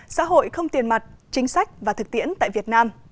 xã hội không tiền mặt chính sách và thực tiễn tại việt nam